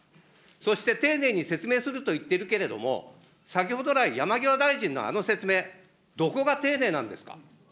そして、丁寧に説明すると言っているけれども、先ほど来、山際大臣のあの説明、どこが丁寧なんですか。